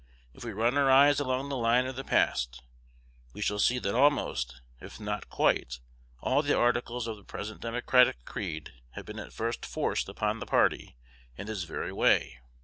If we run our eyes along the line of the past, we shall see that almost, if not quite, all the articles of the present Democratic creed have been at first forced upon the party in this very way.